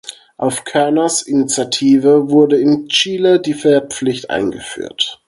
Auf Körners Initiative wurde in Chile die Wehrpflicht eingeführt.